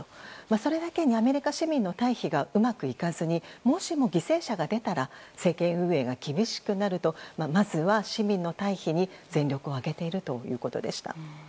それだけにアメリカ市民の退避がうまくいかずにもしも犠牲者が出たら政権運営が厳しくなるとまずは市民の退避に全力を挙げているということでした。